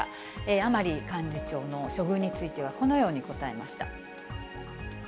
甘利幹事長の処遇については、このように答えました。